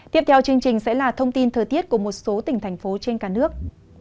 tiếp theo chương trình sẽ là thông tin thời tiết của một số tỉnh thành phố trên cả nước